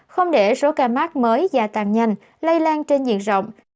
không để số ca mắc mới gia tăng nhanh lây lan trên diện rộng